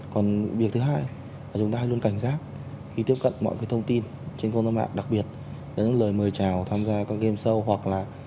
còn việc thứ hai là chúng ta luôn cảnh giác khi tiếp cận mọi cái thông tin trên không gian mạng đặc biệt là những lời mời chào tham gia các game show hoặc là